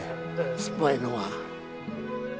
酸っぱいのが。